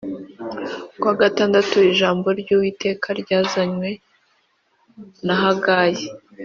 Kuwa gatandatu ijambo ry Uwiteka ryazanywe na Hagayi